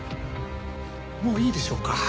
もういいでしょうか？